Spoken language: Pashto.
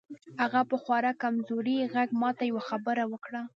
هغه په خورا کمزوري غږ ماته یوه خبره وکړه